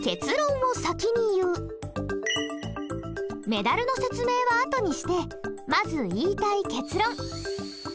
メダルの説明はあとにしてまず言いたい結論。